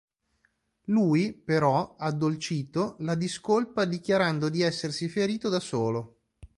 Lui, però, addolcito, la discolpa, dichiarando di essersi ferito da solo.